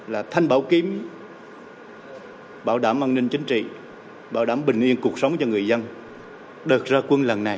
là thanh bảo kiếm bảo đảm an ninh chính trị bảo đảm bình yên cuộc sống cho người dân đợt ra quân lần này